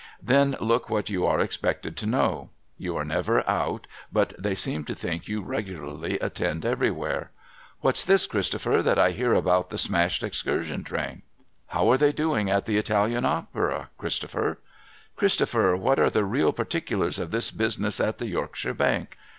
Then look what you are expected to know. You are never out, but they seem to think you regularly attend everywhere. ' ^Vhat's this, Christopher, that I hear about the smashed Excursion Train ?'—' How are they doing at the Italian Opera, Christopher ?'—' Christopher, what are the real particulars of this business at the Yorkshire Bank